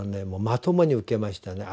まともに受けましたね。